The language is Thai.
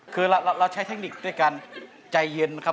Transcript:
คือเราใช้เทคนิคด้วยการใจเย็นนะครับ